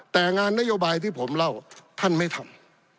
แต่งานนโยบายที่ผมเล่าท่านไม่ทำ